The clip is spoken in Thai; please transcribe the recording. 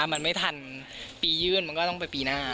มันไม่ทันปียื่นมันก็ต้องไปปีหน้า